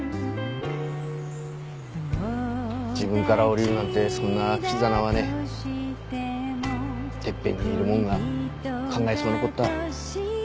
自分から降りるなんてそんなきざなまねてっぺんにいるもんが考えそうなこった。